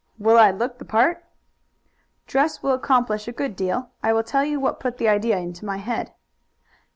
"Will I look the part?" "Dress will accomplish a good deal. I will tell you what put the idea into my head.